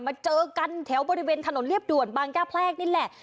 เจอกันแถวบริเวณถนนเรียบด่วนบางย่าแพรกนี่แหละ